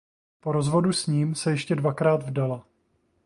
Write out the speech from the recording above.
Po rozvodu s ním se ještě dvakrát vdala.